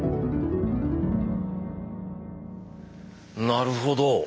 なるほど。